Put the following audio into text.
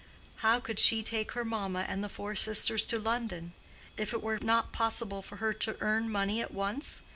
How could she take her mamma and the four sisters to London, if it were not possible for her to earn money at once?